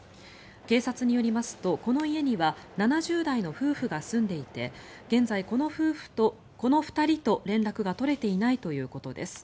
警察によりますと、この家には７０代の夫婦が住んでいて現在、この２人と連絡が取れていないということです。